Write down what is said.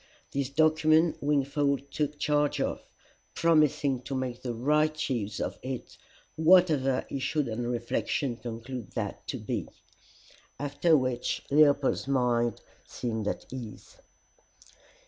This document Wingfold took charge of, promising to make the right use of it, whatever he should on reflection conclude that to be; after which Leopold's mind seemed at ease.